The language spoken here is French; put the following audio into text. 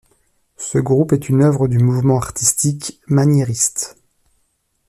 Ce groupe est une œuvre du mouvement artistique maniériste.